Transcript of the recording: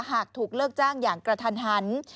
หากถูกเลิกจ้างอย่างกระทันหัน